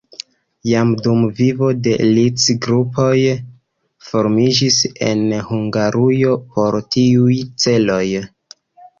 Jam dum vivo de Liszt grupoj formiĝis en Hungarujo por tiuj celoj.